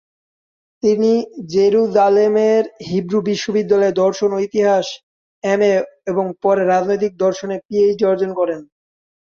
তিনি জেরুজালেমের হিব্রু বিশ্ববিদ্যালয়ে দর্শন ও ইতিহাসে এমএ এবং পরে রাজনৈতিক দর্শনে পিএইচডি অর্জন করেন।